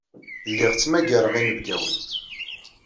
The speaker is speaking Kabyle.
Lliɣ ttmagareɣ inebgawen.